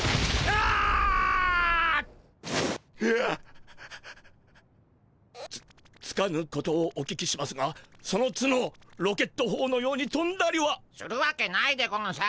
つっつかぬことをお聞きしますがその角ロケットほうのようにとんだりは？するわけないでゴンス。